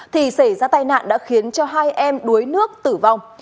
thì xảy ra tai nạn đã khiến cho hai em đuối nước tử vong